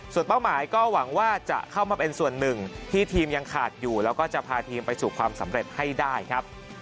ส่วนเป้าหมายก็หวังว่าจะเข้ามาเป็นส่วนหนึ่งที่ทีมยังขาดอยู่แล้วก็จะพาทีมไปสู่ความสำเร็จให้ได้ครับ